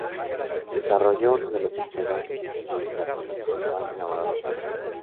Desarrolló uno de los sistemas neoplatónicos más elaborados y complejos.